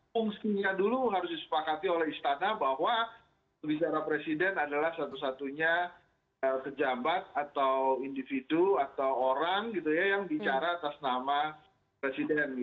fungsinya dulu harus disepakati oleh istana bahwa bicara presiden adalah satu satunya pejabat atau individu atau orang yang bicara atas nama presiden